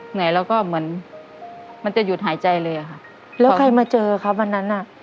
เหนื่อยแล้วก็เหมือนมันจะหยุดหายใจเลยอะค่ะแล้วใครมาเจอครับวันนั้นอ่ะ